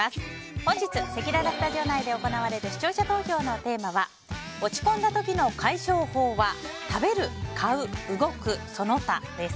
本日せきららスタジオ内で行われる視聴者投票のテーマは落ち込んだ時の解消法は食べる・買う・動く・その他です。